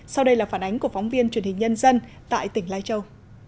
sau đây là phản ánh của phóng viên truyền hình nhân dân tại tỉnh lai châu